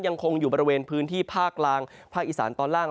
ยังคงอยู่บริเวณพื้นที่ภาคกลางภาคอีสานตอนล่าง